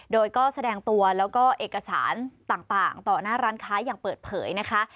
โดยก็แสดงตัวแล้วก็เอกสารต่างต่อหน้าร้านค้าอย่างเปิดเผยนะคะ